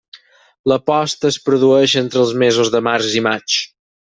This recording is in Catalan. La posta es produeix entre els mesos de març i maig.